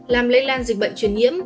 làm lây lan dịch bệnh chuyển nhiễm